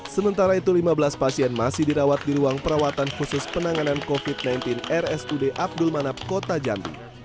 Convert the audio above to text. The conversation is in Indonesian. sementara itu lima belas pasien masih dirawat di ruang perawatan khusus penanganan covid sembilan belas rsud abdul manap kota jambi